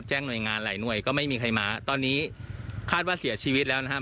ตอนนี้ป้าไม่หายใจแล้วนะครับ